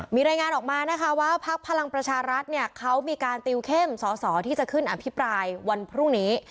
มีรายงานออกมานะคะว่าพักพลังประชารัฐเนี่ยเขามีการติวเข้มสอสอที่จะขึ้นอภิปรายวันพรุ่งนี้